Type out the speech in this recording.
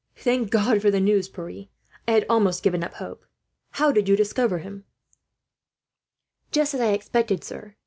"Thank God for the news, Pierre. I had almost given up hope. How did you discover him?" "Just as I expected, sir.